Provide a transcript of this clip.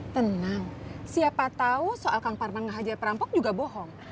tenang siapa tahu soal kang parman hajat perampok juga bohong